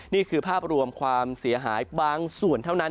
นี่คือภาพรวมความเสียหายบางส่วนเท่านั้น